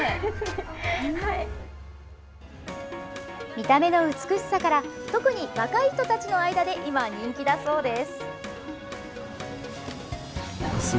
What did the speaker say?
見た目の美しさから特に若い人たちの間で今、人気だそうです。